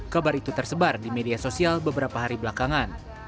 kabar itu tersebar di media sosial beberapa hari belakangan